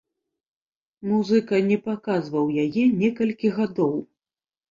Музыка не паказваў яе некалькі гадоў.